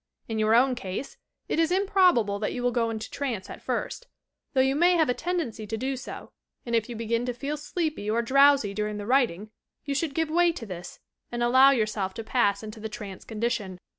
In your own case, it is im probable that you will go into trance at first, — though you may have a tendency to do so, and if you begin to feel sleepy or drowsy during the writing, you should give way to this and allow yourself to pass into the trance condition.